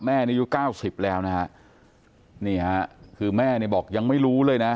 ในยุคเก้าสิบแล้วนะฮะนี่ฮะคือแม่เนี่ยบอกยังไม่รู้เลยนะ